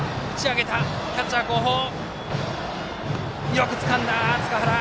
よくつかんだ、塚原。